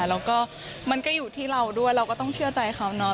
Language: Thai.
แล้วก็มันก็อยู่ที่เราด้วยเราก็ต้องเชื่อใจเขาเนาะ